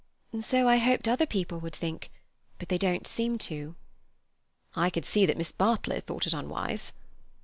"So I hoped other people would think, but they don't seem to." "I could see that Miss Bartlett thought it unwise."